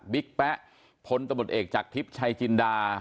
บิ๊กแป๊ะพลตำหนดเอกจากทริปชายจินดา